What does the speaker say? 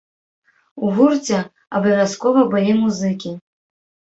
У гурце абавязкова былі музыкі.